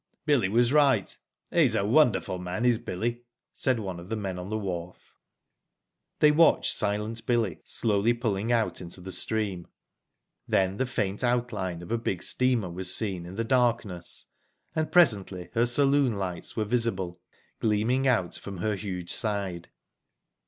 Billy was right. He*s a wonderful man is Billy," said one of the men on the wharf. They watched Silent Billy slowly pulling out into the stream. Then the faint outline of a big steamer was seen in the darkness, and presently her saloon lights were visible, gleaming out from her huge side.